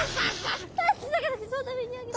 立ってたからってそんな上に上げて。